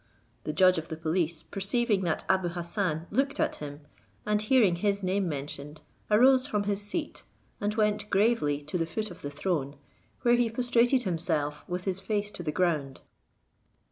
The judge of the police perceiving that Abou Hassan looked at him, and hearing his name mentioned, arose from his seat, and went gravely to the foot of the throne, where he prostrated himself with his face to the ground.